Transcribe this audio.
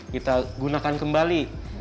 kita gunakan kembali